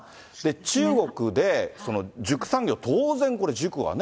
中国で塾産業、当然これ、塾はね。